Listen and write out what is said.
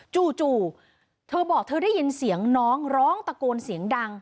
จู่เธอบอกเธอได้ยินเสียงน้องร้องตะโกนเสียงดัง